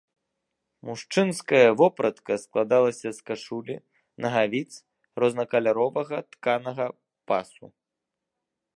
Мужчынская вопратка складалася з кашулі, нагавіц, рознакаляровага тканага пасу.